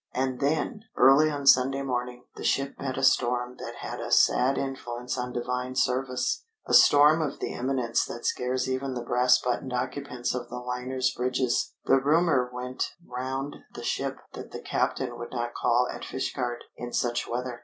And then, early on Sunday morning, the ship met a storm that had a sad influence on divine service, a storm of the eminence that scares even the brass buttoned occupants of liners' bridges. The rumour went round the ship that the captain would not call at Fishguard in such weather.